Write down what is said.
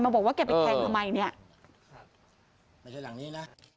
แล้วฟะว่าแกเป็นแทงทำไมนี่